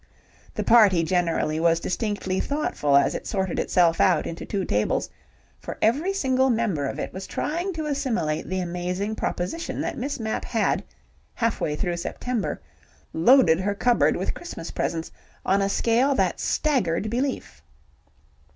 ... The party generally was distinctly thoughtful as it sorted itself out into two tables, for every single member of it was trying to assimilate the amazing proposition that Miss Mapp had, half way through September, loaded her cupboard with Christmas presents on a scale that staggered belief.